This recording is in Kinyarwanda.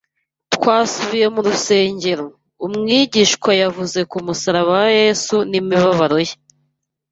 twasubiye mu rusengero. Umwigisha yavuze ku musaraba wa Yesu n’imibabaro ye